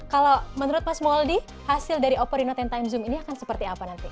kalau menurut mas mouldie hasil dari oppo reno sepuluh zoom ini akan seperti apa nanti